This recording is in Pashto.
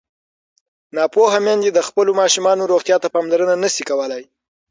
ناپوهه میندې د خپلو ماشومانو روغتیا ته پاملرنه نه شي کولی.